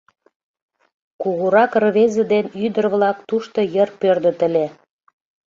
Кугурак рвезе ден ӱдыр-влак тушто йыр пӧрдыт ыле.